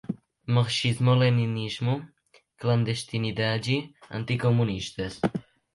Marxismo-leninismo, clandestinidade, anti-comunistas